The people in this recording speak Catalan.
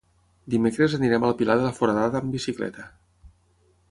Dimecres anirem al Pilar de la Foradada amb bicicleta.